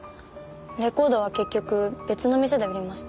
レコードは結局別の店で売りました。